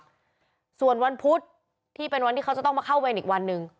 ส่วนวันพุธที่เป็นวันที่เขาจะต้องมาเข้าเวรอีกวันหนึ่ง